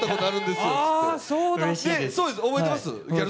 覚えてます？